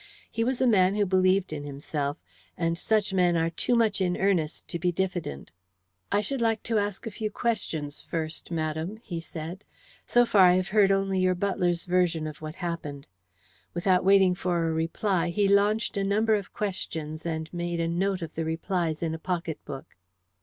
He was a man who believed in himself, and such men are too much in earnest to be diffident. "I should like to ask a few questions first, madam," he said. "So far, I have heard only your butler's version of what happened." Without waiting for a reply he launched a number of questions, and made a note of the replies in a pocket book.